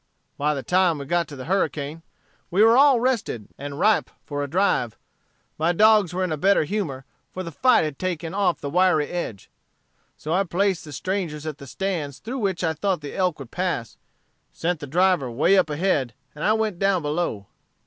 "By the time we got to the Harricane, we were all rested, and ripe for a drive. My dogs were in a better humor, for the fight had just taken off the wiry edge. So I placed the strangers at the stands through which I thought the elk would pass, sent the driver way up ahead, and I went down below.